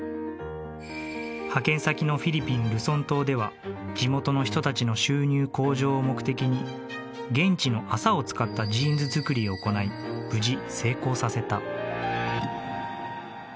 派遣先のフィリピンルソン島では地元の人たちの収入向上を目的に現地の麻を使ったジーンズ作りを行い無事成功させた。